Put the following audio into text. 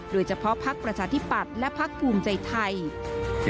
โดยเฉพาะพักประชาธิปัตย์และพักภูมิใจไทย